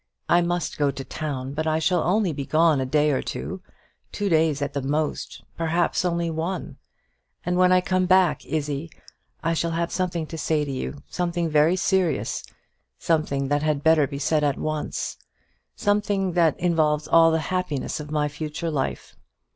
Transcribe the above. I must go to town; but I shall only be gone a day or two two days at the most perhaps only one. And when I come back, Izzie, I shall have something to say to you something very serious something that had better be said at once something that involves all the happiness of my future life.